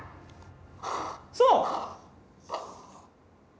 そう！